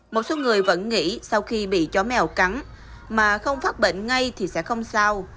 một số người vẫn nghĩ sau khi bị chó mèo cắn mà không phát bệnh ngay thì sẽ không sao